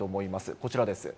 こちらです。